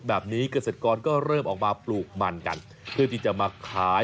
แบบนี้เกษตรกรก็เริ่มออกมาปลูกมันกันเพื่อที่จะมาขาย